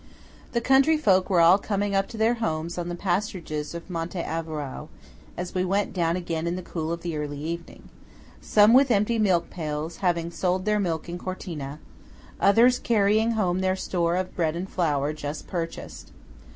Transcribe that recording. The country folks were all coming up to their homes on the pasturages of Monte Averau, as we went down again in the cool of the early evening–some with empty milk pails, having sold their milk in Cortina; others carrying home their store of bread and flour, just purchased.